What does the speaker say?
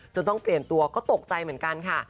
ต้องเปลี่ยนตัวก็ตกใจเหมือนกันค่ะ